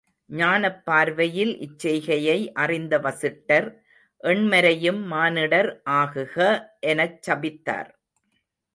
ஞானப் பார்வையில் இச் செய்கையை அறிந்த வசிட்டர் எண்மரையும் மானிடர் ஆகுக எனச் சபித்தார்.